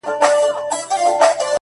حروف د ساز له سوره ووتل سرکښه سوله ـ